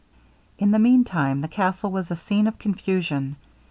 In the mean time the castle was a scene of confusion.